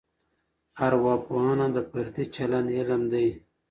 ارواپوهنه د فردي چلند علم دی.